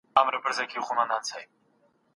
چېري د روغتیایی حقونو منشور شتون لري؟